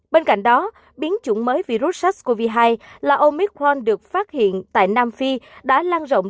bên cạnh đó biến chủng mới virus sars cov hai là omicron được phát hiện tại nam phi đã lan rộng